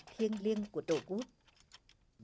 thiêng liêng của tổ quốc